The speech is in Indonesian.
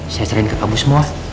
saya sering ke kamu semua